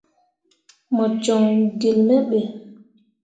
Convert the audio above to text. Mo joŋ gelle me ɓe.